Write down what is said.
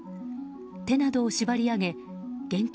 手などを縛り上げ現金